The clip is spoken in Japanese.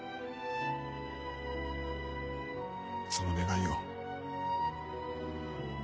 その願いを。